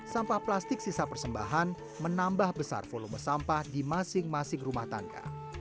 sampah plastik sisa persembahan menambah besar volume sampah di masing masing rumah tangga